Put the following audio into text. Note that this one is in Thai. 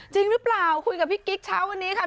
จริงหรือเปล่าคุยกับพี่กิ๊กเช้าวันนี้ค่ะ